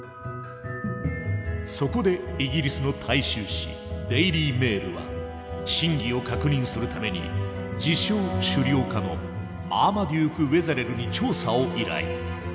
そこでイギリスの大衆紙「デイリー・メール」は真偽を確認するために自称狩猟家のマーマデューク・ウェザレルに調査を依頼。